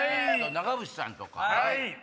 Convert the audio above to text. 長渕さんとか。